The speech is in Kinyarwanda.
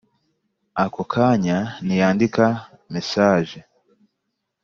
ako kanya ntiyandika mesage